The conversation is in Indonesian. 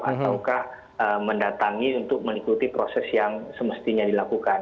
ataukah mendatangi untuk mengikuti proses yang semestinya dilakukan